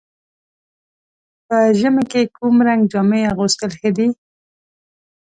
په ژمي کې کوم رنګ جامې اغوستل ښه دي؟